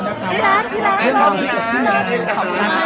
นี่ก็จะเป็นการสัมภาษณ์ของเมื่อไหร่เมื่อคืนนั่นก็ตอบคำถามสักทีแล้วกันนะครับ